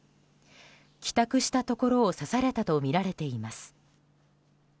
帰宅したところを刺されたとみられています。